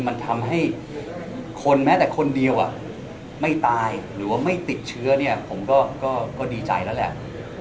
มันทำให้คนแม้แต่คนเดียวไม่ตายหรือว่าไม่ติดเชื้อเนี่ยผมก็ดีใจแล้วแหละ